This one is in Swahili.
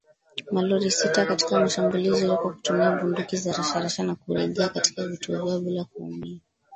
malori sita katika shambulizi hilo kwa kutumia bunduki za rashasha na kurejea katika vituo vyao bila kuumia